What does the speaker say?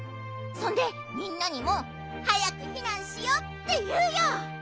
そんでみんなにもはやくひなんしようっていうよ！